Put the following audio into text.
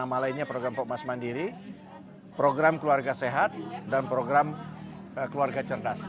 dan nama lainnya program pokmas mandiri program keluarga sehat dan program keluarga cerdas